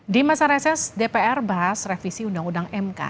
di masa reses dpr bahas revisi undang undang mk